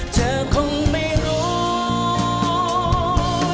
เธอคงไม่รู้